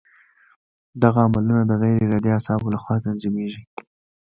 دغه عملونه د غیر ارادي اعصابو له خوا تنظیمېږي.